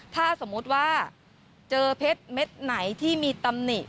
ถ้าสมมุติว่าเจอเพชรเม็ดไหนที่มีตำหนิ